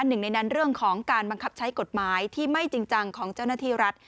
หนึ่งในนั้นเรื่องของการบังคับใช้กฎหมายที่ไม่จริงจังของเจ้าหน้าที่รัฐ